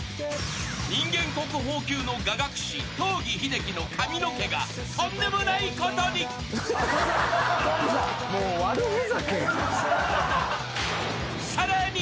人間国宝級の雅楽師東儀秀樹の髪の毛がとんでもないことに！